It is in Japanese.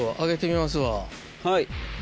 はい。